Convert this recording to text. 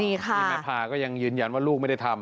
นี่แม่พาก็ยังยืนยันว่าลูกไม่ได้ทำ